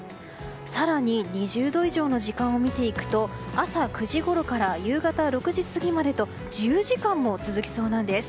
更に、２０度以上の時間を見ていくと朝９時ごろから夕方６時過ぎまでと１０時間も続きそうなんです。